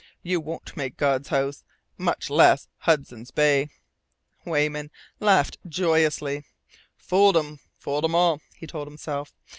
You won't make God's House, much less Hudson's Bay!" Weyman laughed joyously. "Fooled 'em fooled 'em all!" he told himself.